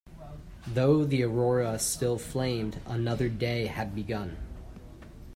Though the aurora still flamed, another day had begun.